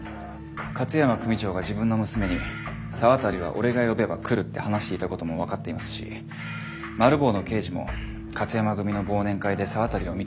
勝山組長が自分の娘に「沢渡は俺が呼べば来る」って話していたことも分かっていますしマル暴の刑事も勝山組の忘年会で沢渡を見たって言ってます。